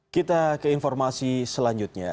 kita ke informasi selanjutnya